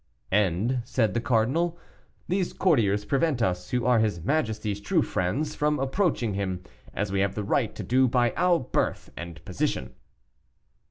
"And," said the cardinal, "these courtiers prevent us, who are his majesty's true friends, from approaching him as we have the right to do by our birth and position."